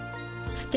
すて。